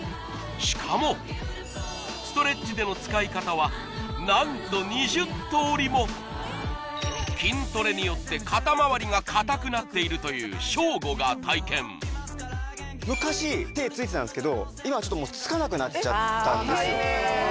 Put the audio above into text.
しかもストレッチでの使い方は何と２０通りも筋トレによって肩まわりが硬くなっているというショーゴが体験昔手ついてたんですけど今はつかなくなっちゃったんですよ